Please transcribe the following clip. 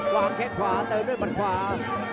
วางแค่ขวาเติมด้วยมันขวา